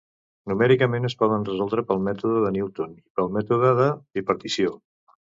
Numèricament es poden resoldre pel mètode de Newton i pel mètode de bipartició.